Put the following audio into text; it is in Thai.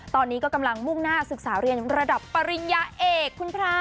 ตอนนี้ก็กำลังมุ่งหน้าศึกษาเรียนระดับปริญญาเอกคุณพระ